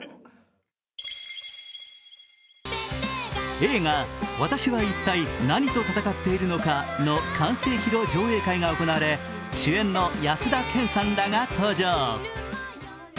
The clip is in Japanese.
映画「私はいったい、何と闘っているのか」の完成披露上映会が行われ、主演の安田顕さんらが登場。